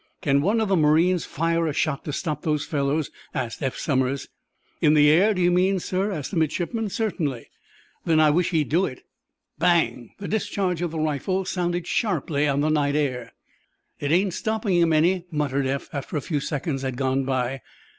"Can one of the marines fire a shot to stop those fellows?" asked Eph Somers. "In the air, do you mean, sir?" asked the midshipman. "Certainly." "Then I wish he'd do it." Bang! The discharge of the rifle sounded sharply on the night air. "It ain't stopping 'em any," muttered Eph, after a few seconds had gone by.